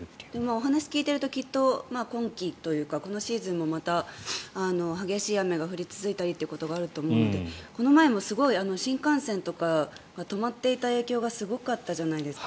お話を聞いているときっと今期というかこのシーズンもまた激しい雨が降り続いたりということがあると思うのでこの前も新幹線とか止まっていた影響がすごかったじゃないですか。